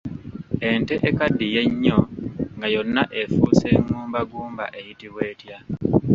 Ente ekaddiye ennyo nga yonna efuuse ngumbagumba eyitibwa etya?